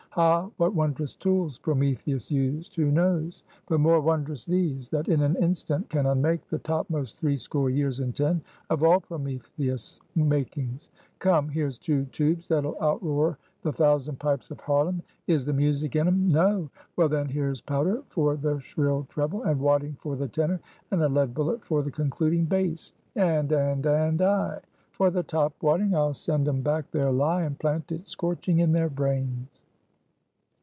"Ha! what wondrous tools Prometheus used, who knows? but more wondrous these, that in an instant, can unmake the topmost three score years and ten of all Prometheus' makings. Come: here's two tubes that'll outroar the thousand pipes of Harlem. Is the music in 'em? No? Well then, here's powder for the shrill treble; and wadding for the tenor; and a lead bullet for the concluding bass! And, and, and, ay; for the top wadding, I'll send 'em back their lie, and plant it scorching in their brains!"